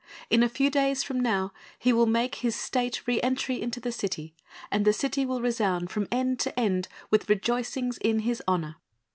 In a few days from now he will make his State re entry into the city, and the city will resound from end to end with rejoicings in his honour."